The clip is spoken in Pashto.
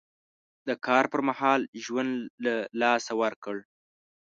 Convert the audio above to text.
د کار پر مهال ژوند له لاسه ورکړ.